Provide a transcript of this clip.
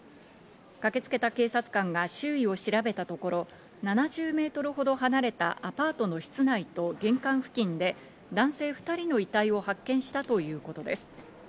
駆けつけた警察官が周囲を調べたところ、７０メートルほど離れたアパートの室内と玄関付近で男性２人の遺体を発見したということです。